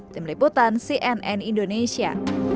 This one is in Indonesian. demi liputan cnn indonesia